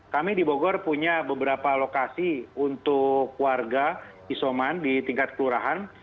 kami di bogor punya beberapa lokasi untuk warga isoman di tingkat kelurahan